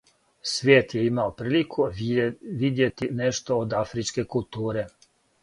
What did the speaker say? Свијет је имао прилику видјети нешто од афричке културе.